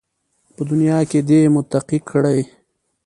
په دنیا کې دې متقي کړي